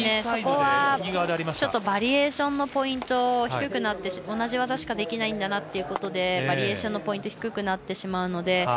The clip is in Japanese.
そこはバリエーションのポイントが同じ技しかできないんだなということでバリエーションのポイントが低くなってしまうので。